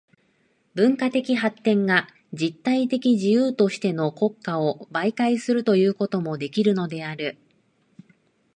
文化的発展が実体的自由としての国家を媒介とするということもできるのである。